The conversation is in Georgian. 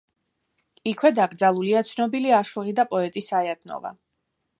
იქვე დაკრძალულია ცნობილი აშუღი და პოეტი საიათნოვა.